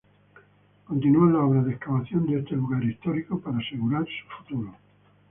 Continúan las obras de excavación de este lugar histórico para asegurar su futuro.